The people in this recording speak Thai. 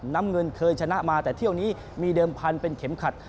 น้ำเงินเคยชนะมาแต่เที่ยวนี้มีเดิมพันธุ์เป็นเข็มขัด